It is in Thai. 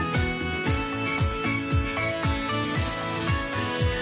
สวัสดีครับ